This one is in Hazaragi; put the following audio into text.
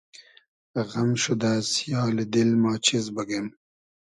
غئم شودۂ سیالی دیل ما چیز بوگیم